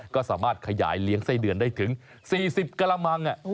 ก็สามารถขยายเลี้ยงไส้เดือนได้ถึง๔๐กระมัง